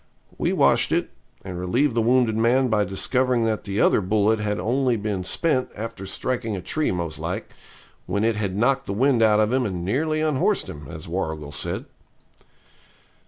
We washed it, and relieved the wounded man by discovering that the other bullet had only been spent, after striking a tree most like, when it had knocked the wind out of him and nearly unhorsed him, as Warrigal said.